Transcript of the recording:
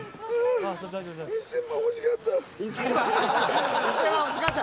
１０００万欲しかった。